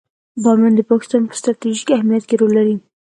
بامیان د افغانستان په ستراتیژیک اهمیت کې رول لري.